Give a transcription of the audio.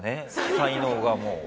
才能がもう。